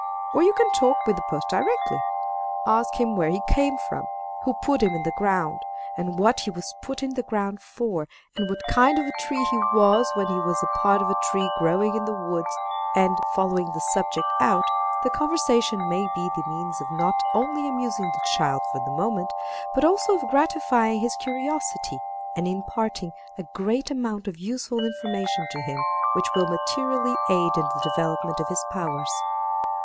Or you can talk with the post directly. Ask him where he came from, who put him in the ground, and what he was put in the ground for, and what kind of a tree he was when he was a part of a tree growing in the woods; and, following the subject out, the conversation may be the means of not only amusing the child for the moment, but also of gratifying his curiosity, and imparting a great amount of useful information to him which will materially aid in the development of his powers.